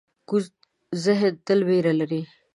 کوږ ذهن تل وېره لري